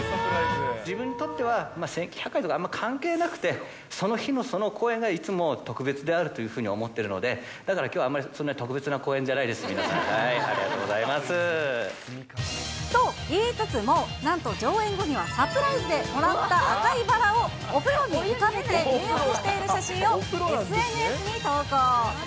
自分にとっては１９００回とかあんまり関係なくて、その日のその公演が、いつも特別であるというふうに思ってるので、だからきょうはあんまり、特別な公演じゃないです、皆さん。と言いつつも、なんと、上演後にはサプライズでもらった赤いバラを、お風呂に浮かべて入浴している写真を、ＳＮＳに投稿。